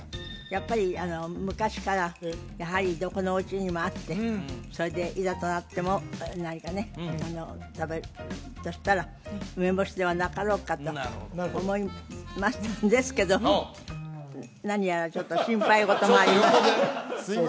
やっぱり昔からどこのおうちにもあってそれでいざとなっても食べるとしたら梅干しではなかろうかと思いましたんですけど何やらちょっと心配事もあります